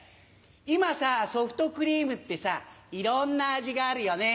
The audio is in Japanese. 今さソフトクリームってさいろんな味があるよね。